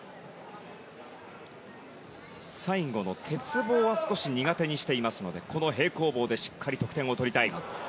最後の鉄棒は少し苦手にしていますのでこの平行棒でしっかり得点を取りたい。